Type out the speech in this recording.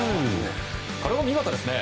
これも見事ですね。